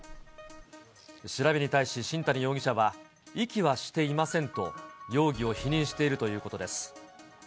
調べに対し、新谷容疑者は遺棄はしていませんと、容疑を否認しているということです。